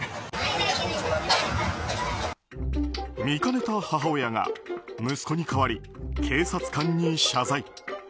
見かねた母親が息子に代わり警察官に謝罪。